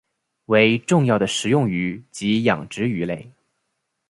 为重要的食用鱼及养殖鱼类。